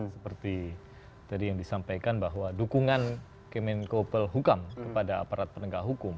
seperti tadi yang disampaikan bahwa dukungan kemenko pelhukam kepada aparat penegak hukum